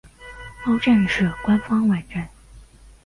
猫战士官方网站